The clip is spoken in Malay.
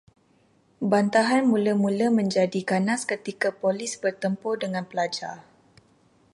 Bantahan mula-mula menjadi ganas ketika polis bertempur dengan pelajar